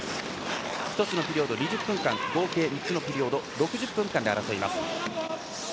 １つのピリオド、２０分間合計３つのピリオド６０分間で争います。